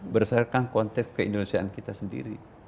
berdasarkan konteks keindonesiaan kita sendiri